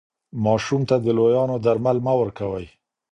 ماشوم ته د لویانو درمل مه ورکوئ.